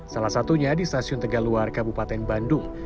salah satunya di stasiun tegal luar kabupaten bandung